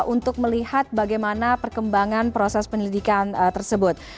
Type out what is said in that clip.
untuk melihat bagaimana perkembangan proses penyelidikan tersebut